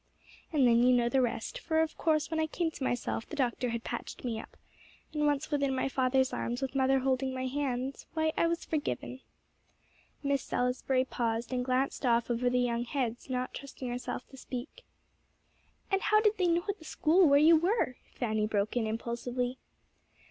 "And then, you know the rest; for of course, when I came to myself, the doctor had patched me up. And once within my father's arms, with mother holding my hand why, I was forgiven." Miss Salisbury paused, and glanced off over the young heads, not trusting herself to speak. "And how did they know at the school where you were?" Fanny broke in impulsively.